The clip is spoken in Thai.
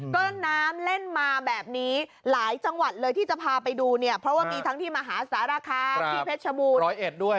ก็น้ำเล่นมาแบบนี้หลายจังหวัดเลยที่จะพาไปดูเนี่ยเพราะว่ามีทั้งที่มหาสารคามที่เพชรชบูรณร้อยเอ็ดด้วย